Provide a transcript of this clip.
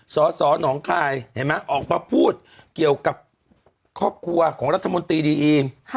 สสหนองคายเห็นไหมออกมาพูดเกี่ยวกับครอบครัวของรัฐมนตรีดีอีม